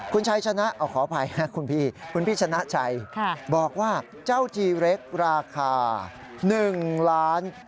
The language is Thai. คุณชัยชนะขออภัยนะคุณพี่คุณพี่ชนะชัยบอกว่าเจ้าทีเล็กราคา๑ล้าน